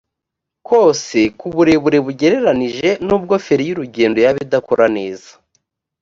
kose ku burebure bugereranije nubwo feri y’urugendo yaba idakora neza